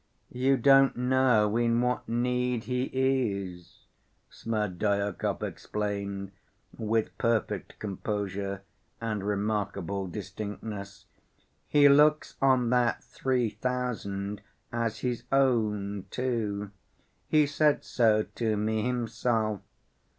You don't know in what need he is," Smerdyakov explained, with perfect composure and remarkable distinctness. "He looks on that three thousand as his own, too. He said so to me himself.